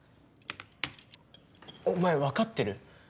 お前分かってる？